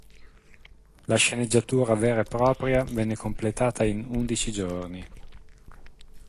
La sceneggiatura vera e propria venne completata in undici giorni.